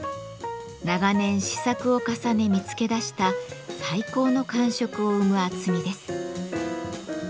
長年試作を重ね見つけ出した最高の感触を生む厚みです。